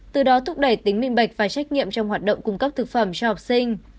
từ đó thúc đẩy tính minh bạch và trách nhiệm trong hoạt động cung cấp thực phẩm cho học sinh